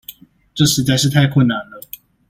這實在是太困難了